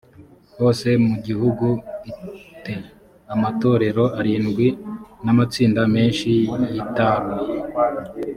hose mu gihugu i te amatorero arindwi n amatsinda menshi yitaruye